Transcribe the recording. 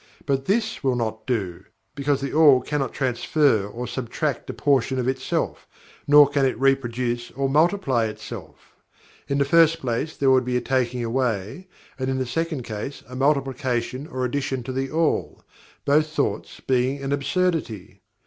But this will not do, because THE ALL cannot transfer or subtract a portion of itself, nor can it reproduce or multiply itself in the first place there would be a taking away, and in the second case a multiplication or addition to THE ALL, both thoughts being an absurdity.